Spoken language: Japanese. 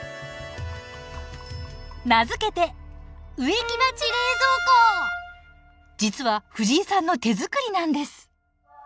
名付けて実はフジイさんの手作りなんです。